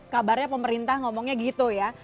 kabarnya pemerintah ngomongnya gitu ya